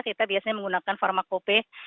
kita biasanya menggunakan farmakope